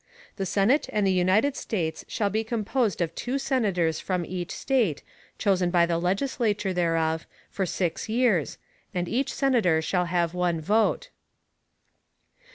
The Senate of the United States shall be composed of two Senators from each State, chosen by the Legislature thereof, for six Years; and each Senator shall have one Vote.